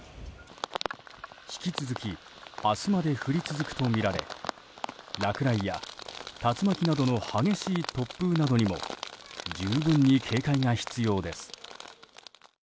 引き続き明日まで降り続くとみられ落雷や竜巻などの激しい突風などにも十分に警戒が必要です。